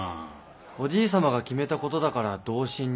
おじい様が決めたことだから同心になったまで。